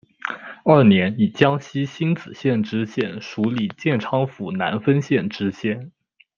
二年以江西星子县知县署理建昌府南丰县知县。